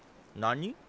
何？